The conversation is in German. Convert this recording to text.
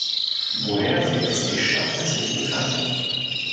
Woher sie letztlich stammt, ist nicht bekannt.